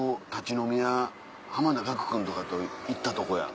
飲み屋濱田岳君とかと行ったとこや。